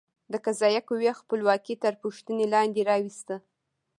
د قضایه قوې خپلواکي تر پوښتنې لاندې راوسته.